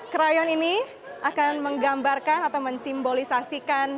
crayon ini akan menggambarkan atau mensimbolisasikan